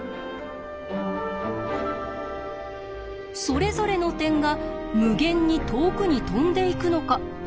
それぞれの点が無限に遠くに飛んでいくのかいかないのか。